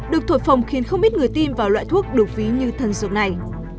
được thổi phồng khiến không ít người tin vào loại thuốc đột phí như thần dược này